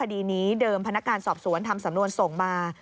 คดีนี้เดิมพนักงานสอบสวนทำสำนวนส่งมา